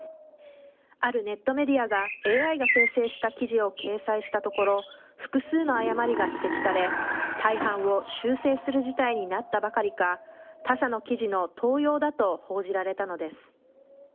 あるネットメディアがＡＩが生成した記事を掲載したところ、複数の誤りが指摘され、大半を修正する事態になったばかりか、他者の記事の盗用だと報じられたのです。